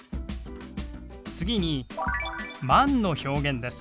次に「万」の表現です。